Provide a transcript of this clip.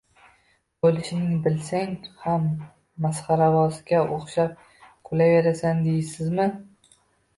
O`lishingni bilsang ham masxarabozga o`xshab kulaverasan deysizmi